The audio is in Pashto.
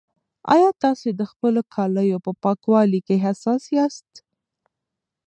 ایا تاسي د خپلو کالیو په پاکوالي کې حساس یاست؟